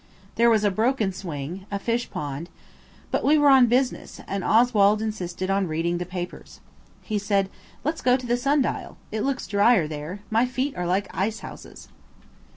There was a broken swing, a fish pond–but we were on business, and Oswald insisted on reading the papers. He said, "Let's go to the sundial. It looks dryer there, my feet are like ice houses."